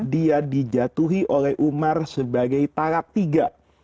dia dijatuhi oleh umar sebagai talak tiga